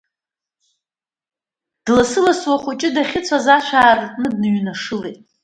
Дласы-ласуа ахәыҷы дахьыцәаз ашә аартны дныҩнашылеит.